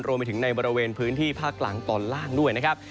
รวมไปถึงในบริเวณพื้นที่ภาคกลางตอนล่างด้วยนะครับ